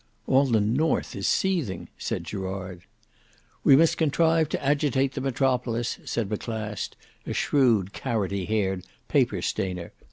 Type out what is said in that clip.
"All the north is seething," said Gerard. "We must contrive to agitate the metropolis," said Maclast, a shrewd carroty haired paper stainer.